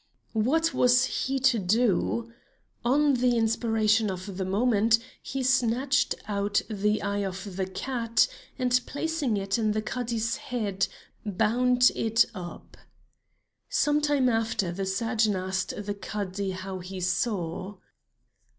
What was he to do? On the inspiration of the moment he snatched out the eye of the cat, and placing it in the Cadi's head, bound it up. Some time after the surgeon asked the Cadi how he saw.